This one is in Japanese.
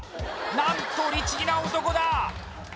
何と律儀な男だ！